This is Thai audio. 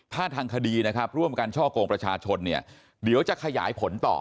ถ้าทางคดีนะครับร่วมกันช่อกงประชาชนเนี่ยเดี๋ยวจะขยายผลต่อ